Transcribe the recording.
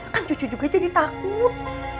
kan cucu juga jadi takut